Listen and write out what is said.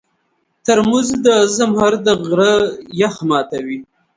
ترموز د زمهر د غره یخ ماتوي.